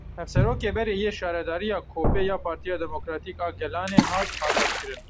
Hevserokê Berê yê Şaredariya Kopê ya Partiya Demokratîk a Gelanê hat azadkirin.